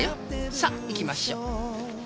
さっ行きましょう。